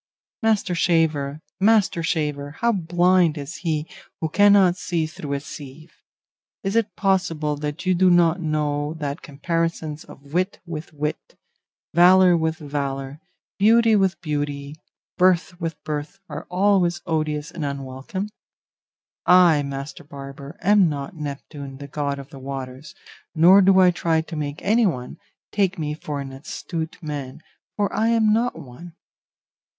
Master shaver, master shaver! how blind is he who cannot see through a sieve. Is it possible that you do not know that comparisons of wit with wit, valour with valour, beauty with beauty, birth with birth, are always odious and unwelcome? I, master barber, am not Neptune, the god of the waters, nor do I try to make anyone take me for an astute man, for I am not one.